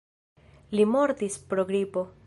Li mortis pro gripo.